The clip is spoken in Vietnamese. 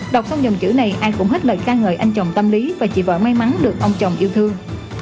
đọc xong dòng chữ này ai cũng hết lời ca ngợi anh chồng tâm lý và chị vợ may mắn được ông chồng yêu thương